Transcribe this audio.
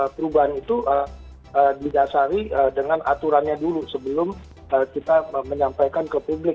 perubahan itu didasari dengan aturannya dulu sebelum kita menyampaikan ke publik